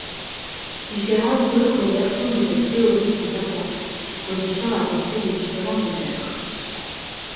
Différentes autres versions de cette théorie sont apparues, modifiant la portée des différents auteurs.